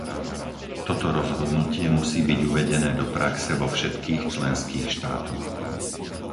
Toto rozhodnutie musí byť uvedené do praxe vo všetkých členských štátoch.